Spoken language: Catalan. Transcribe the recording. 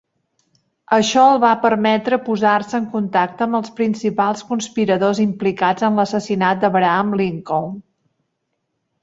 Això el va permetre posar-se en contacte amb els principals conspiradors implicats en l'assassinat d'Abraham Lincoln.